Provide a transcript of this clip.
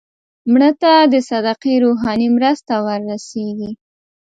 مړه ته د صدقې روحاني مرسته ورسېږي